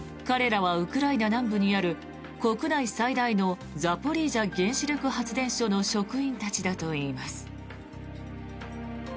彼らはウクライナ南部にある国内最大のザポリージャ原子力発電所の職員たちだといいます。